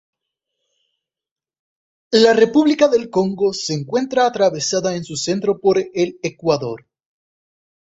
La República del Congo se encuentra atravesada en su centro por el ecuador.